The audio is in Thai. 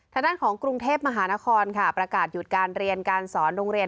ทางด้านของกรุงเทพมหานครค่ะประกาศหยุดการเรียนการสอนโรงเรียน